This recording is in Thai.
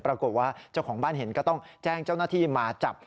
ปรากฏว่าเจ้าของบ้านเห็นก็ต้องแจ้งเจ้าหน้าที่มาจับ